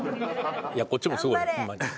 いやこっちもすごいホンマに。